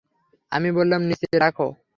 আমি বললাম নিচে রাখো।